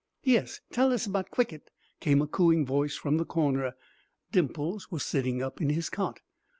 "Yes; tell us about cwicket!" came a cooing voice from the corner. Dimples was sitting up in his cot.